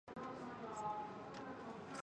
Large foreign estates were expropriated.